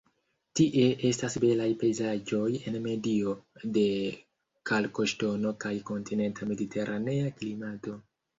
Tie estas belaj pejzaĝoj en medio de kalkoŝtono kaj kontinenta-mediteranea klimato.